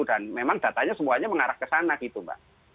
dan memang datanya semuanya mengarah ke sana gitu mbak